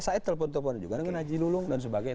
saya telpon telpon juga dengan haji lulung dan sebagainya